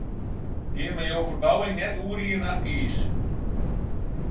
Gean mei jo ferbouwing net oer ien nacht iis.